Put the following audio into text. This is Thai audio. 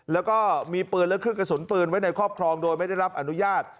แล้วก็มีปืนและเครื่องกระสุนปืนไว้ในครอบครองโดยไม่ได้รับอนุญาต